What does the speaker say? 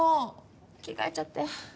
着替えちゃって。